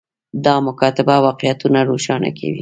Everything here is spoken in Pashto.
دا مکاتبه واقعیتونه روښانه کوي.